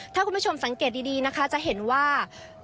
ถ้าคุณผู้ชมสังเกตดีนะคะจะเห็นว่า